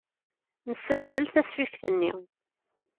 Nessazzel tasfift-nni.